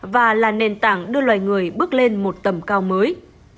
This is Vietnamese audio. và là nền tảng đưa loài người bước lên một tầm cao mới